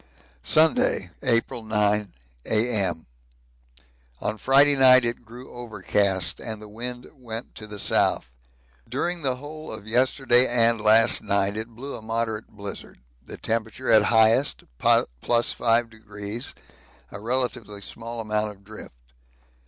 Sunday, April 9, A.M. On Friday night it grew overcast and the wind went to the south. During the whole of yesterday and last night it blew a moderate blizzard the temperature at highest +5°, a relatively small amount of drift.